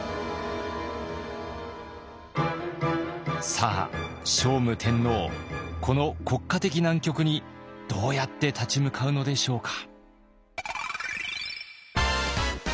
さあ聖武天皇この国家的難局にどうやって立ち向かうのでしょうか。